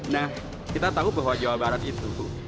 nah kita tahu bahwa jawa barat itu